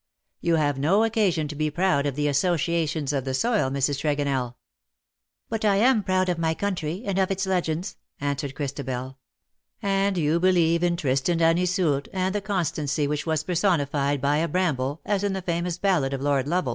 You have no occasion to be proud of the associations of the soil, Mrs. Tregonell.'' " But I am proud of my country, and of its legends," answered Christabel. ^' And you believe in Tristan and Iseult, and the constancy which was personified by a bramble, as in the famous ballad of Lord Lovel."